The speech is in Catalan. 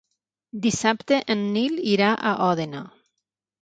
Dissabte en Nil irà a Òdena.